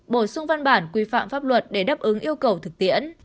bổ sung văn bản quy phạm pháp luật để đáp ứng yêu cầu thực tiễn